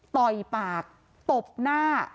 ต่อยปากตบหน้า